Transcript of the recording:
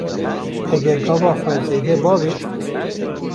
Heger gava xwe zêde bavê